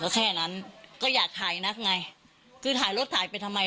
ก็แค่นั้นก็อยากถ่ายนักไงคือถ่ายรถถ่ายไปทำไม